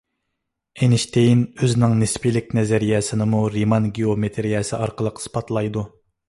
ئېينىشتېين ئۆزىنىڭ نىسپىيلىك نەزەرىيەسىنىمۇ رىمان گېئومېتىرىيەسى ئارقىلىق ئىسپاتلايدۇ.